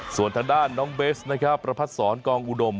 ส่วนทางด้านน้องเบสนะครับประพัดศรกองอุดม